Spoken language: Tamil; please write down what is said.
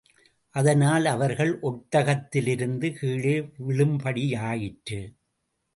அதனால், அவர்கள் ஒட்டகத்திலிருந்து கீழே விழும்படியாயிற்று.